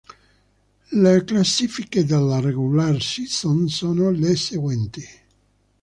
Le classifiche della regular season sono le seguenti.